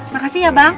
makasih ya bang